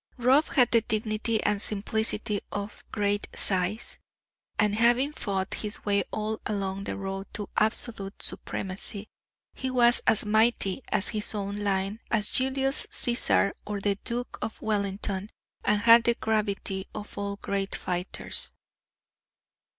Rab had the dignity and simplicity of great size; and having fought his way all along the road to absolute supremacy, he was as mighty in his own line as Julius Caesar or the Duke of Wellington, and had the gravity of all great fighters.